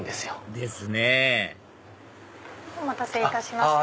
ですねぇお待たせいたしました。